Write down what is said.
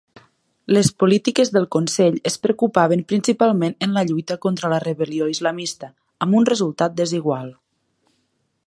Les polítiques del consell es preocupaven principalment en la lluita contra la rebel·lió islamista, amb un resultat desigual.